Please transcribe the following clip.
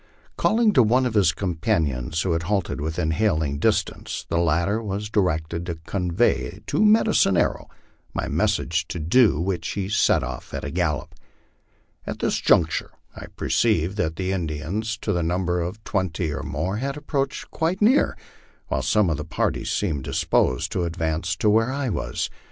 Calling to one of his companions, who had halted within hailing dis tance, the latter was directed to convey to Medicine Arrow my message, to do which he set off at a gallop. At this juncture I perceived that the Indians, to the number of twenty or more, had approached quite near, while some of the party seemed disposed to advance to where I was.